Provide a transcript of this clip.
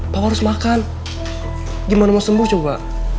aku harus makan gimana mau sembuh coba